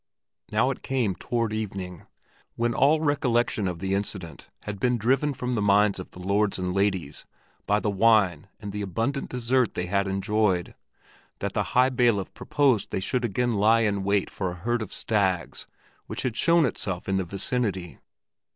Now it came about toward evening, when all recollection of the incident had been driven from the minds of the lords and ladies by the wine and the abundant dessert they had enjoyed, that the High Bailiff proposed they should again lie in wait for a herd of stags which had shown itself in the vicinity.